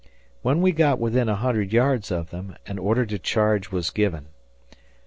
When we got within a hundred yards of them, an order to charge was given.